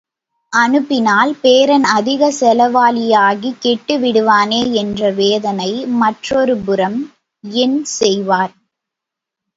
அனுப்பினால் பேரன் அதிக செலவாளியாகிக் கெட்டுவிடுவானே என்ற வேதனை மற்றொருபுறம் என் செய்வார்!